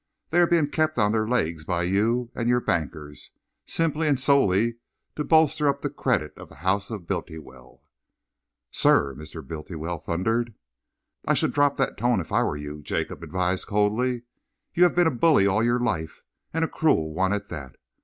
They are being kept on their legs by you and your bankers, simply and solely to bolster up the credit of the House of Bultiwell." "Sir!" Mr. Bultiwell thundered. "I should drop that tone, if I were you," Jacob advised coldly. "You have been a bully all your life, and a cruel one at that.